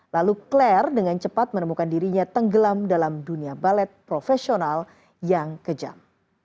lalu claire dengan cepat menemukan dirinya tenggelam dalam dunia balet profesional yang kejam